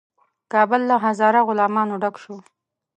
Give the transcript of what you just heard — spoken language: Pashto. کابل له هزاره غلامانو ډک شو.